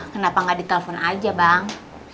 kenapa gak di telpon aja bang